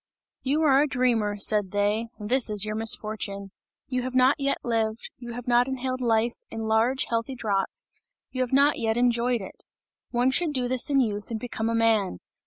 "You are a dreamer," said they, "this is your misfortune! You have not yet lived, you have not inhaled life in large healthy draughts, you have not yet enjoyed it. One should do this in youth and become a man!